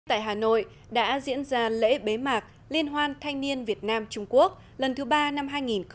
tại hà nội đã diễn ra lễ bế mạc liên hoan thanh niên việt nam trung quốc lần thứ ba năm hai nghìn hai mươi